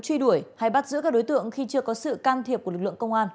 truy đuổi hay bắt giữ các đối tượng khi chưa có sự can thiệp của lực lượng công an